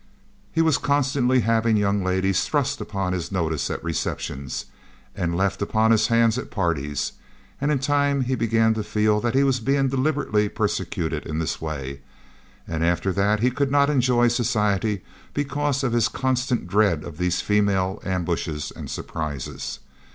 He was constantly having young ladies thrust upon his notice at receptions, or left upon his hands at parties, and in time he began to feel that he was being deliberately persecuted in this way; and after that he could not enjoy society because of his constant dread of these female ambushes and surprises.